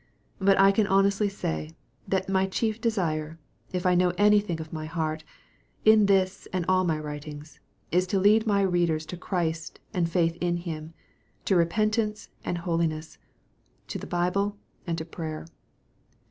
But I can honestly say, that my chief desire, if I know any thing of my heart, in this and all my writings, is to lead my readers to Christ and faith in Him, to repent ance and holiness, to the Bible and to prayer.